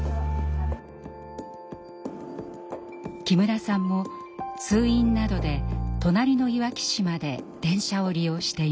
木村さんも通院などで隣のいわき市まで電車を利用しています。